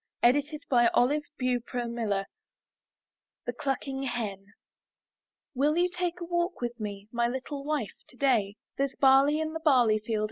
82 IN THE NURSERY THE CLUCKING HEN ''Will you take a walk with me, My little wife, today? There's barley in the barley field.